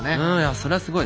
それはすごい。